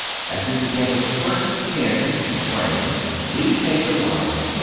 As we begin with the first ten (10) in the frame, we take the rod 10.